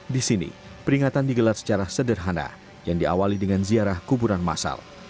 di sini peringatan digelar secara sederhana yang diawali dengan ziarah kuburan masal